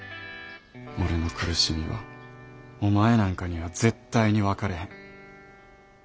俺の苦しみはお前なんかには絶対に分かれへん。